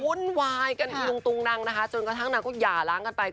วุ่นวายกันลุงตุงนังนะคะจนกระทั่งนางก็หย่าล้างกันไป